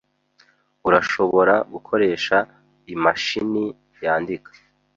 Urashobora gukoresha imashini yandika.